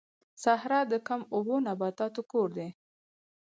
صحرا د کم اوبو نباتاتو کور دی